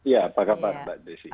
ya apa kabar mbak desi